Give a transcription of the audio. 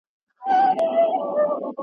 پر آغاز یمه پښېمانه له انجامه ګیله من یم `